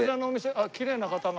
あっきれいな方が。